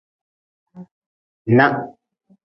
Nah.